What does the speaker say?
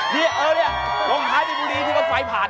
เนี่ยเออโรงค้านามีบุรีที่รถไฟผ่าน